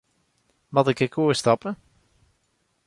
Moat ik ek oerstappe?